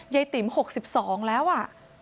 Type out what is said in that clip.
ติ๋ม๖๒แล้วอ่ะ